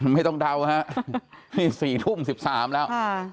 ไม่ต้องเดาฮะนี่๔ทุ่ม๑๓แล้ว